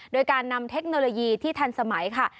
โดยการนำเทคโนโลยีที่ทันสมัยค่ะ